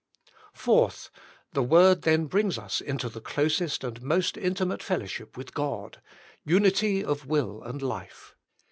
4. The Wokd Then Brings Us into the Closest and Most Intimate Fellowship with God — Unity of Will and Life.